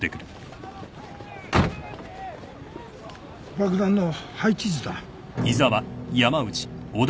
爆弾の配置図だ。